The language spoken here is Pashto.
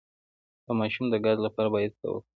د ماشوم د ګاز لپاره باید څه وکړم؟